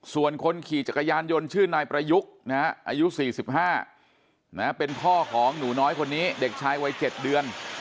ส่วนคนขี่จักรยานยนต์ชื่อนายประยุกต์อายุ๔๕เป็นพ่อของหนูน้อยคนนี้เด็กชายวัย๗เดือน